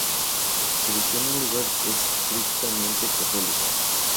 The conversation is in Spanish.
Creció en un hogar estrictamente católico.